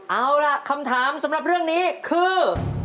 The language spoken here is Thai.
เอาล่ะคำถามสำหรับเรื่องนี้คือ